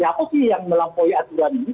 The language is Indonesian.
ya apa sih yang melampaui aturan ini